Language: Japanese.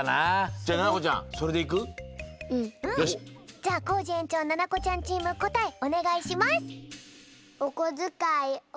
じゃあコージ園長ななこちゃんチームこたえおねがいします。